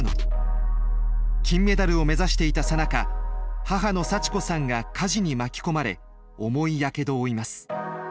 金メダルを目指していたさなか母の幸子さんが火事に巻き込まれ重いやけどを負います。